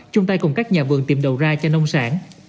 chung tay cùng các nhà vườn tìm đầu ra cho nông sản